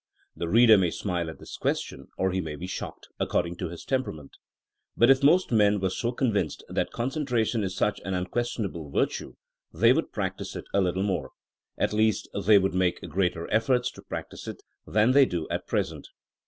The reader may smile at this question or he may be shocked, according to his temperament. But if most men were so convinced that concentration is such an imquestionable virtue, they would prac tice it a little more. At least they would make greater efforts to practice it than they do at present.